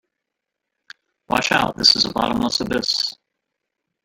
Watch out, this is a bottomless abyss!